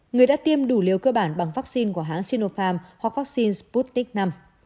người đã tiêm đủ liều cơ bản bằng vaccine của hãng sinopharm hoặc vaccine sputnik v